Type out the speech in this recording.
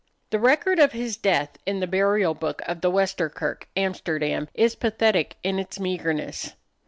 The record of his death in the Burial Book of the Wester Kirk, Amsterdam, is pathetic in its meagerness.